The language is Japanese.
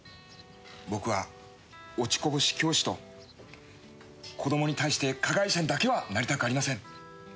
僕は落ちこぼし教師と子どもに対して加害者にだけはなりたくありません